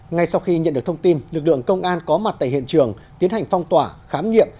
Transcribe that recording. ngay sau khi nhận được thông tin lực lượng công an có mặt tại hiện trường tiến hành phong tỏa khám nghiệm